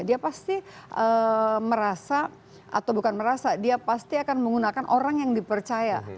dia pasti merasa atau bukan merasa dia pasti akan menggunakan orang yang dipercaya